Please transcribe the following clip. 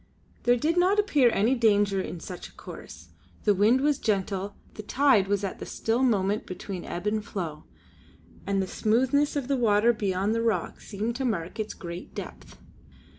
There did not appear any danger in such a course; the wind was gentle, the tide was at the still moment between ebb and flow, and the smoothness of the water beyond the rock seemed to mark its great depth.